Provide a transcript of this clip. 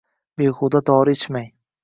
Behuda dori ichmang.